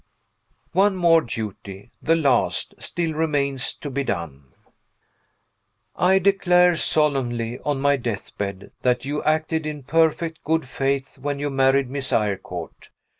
One more duty (the last) still remains to be done. I declare solemnly, on my deathbed, that you acted in perfect good faith when you married Miss Eyrecourt.